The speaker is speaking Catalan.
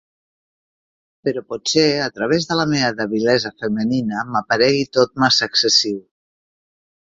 Però potser a través de la meva debilesa femenina m'aparegui tot massa excessiu…